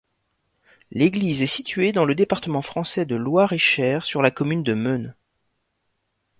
L'église est située dans le département français de Loir-et-Cher, sur la commune de Meusnes.